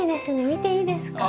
見ていいですか？